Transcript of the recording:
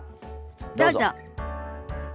どうぞ。